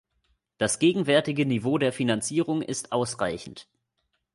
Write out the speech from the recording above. Das gegenwärtige Niveau der Finanzierung ist ausreichend.